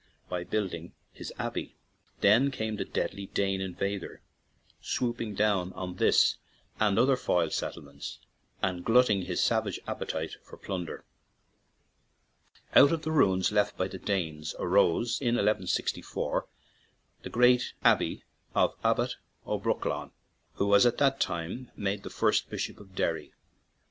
by building his abbey. Then came the deadly Dane invader, swoop ing down on this and other Foyle settle ments and glutting his savage appetite for plunder. Out of the ruins left by the Danes arose in 1 164 the "Great Abbey of Abbot O'Brolchain/' who was at that time made the first bishop of Derry.